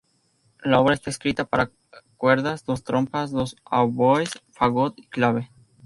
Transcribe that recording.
La obra está escrita para cuerdas, dos trompas, dos oboes, fagot y clave.